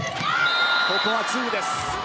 ここはツーです。